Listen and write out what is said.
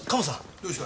どうした？